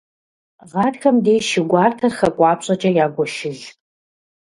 Гъатхэм деж шы гуартэр хакӏуапщӏэкӏэ ягуэшыж.